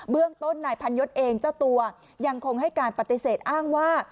เรื่องต้นนายพันยศเองเจ้าตัวยังคงให้การปฏิเสธอ้างว่า